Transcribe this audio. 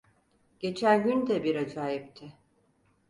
Geçen gün de bir acayipti.